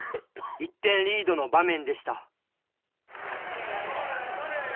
１点リードの場面でした。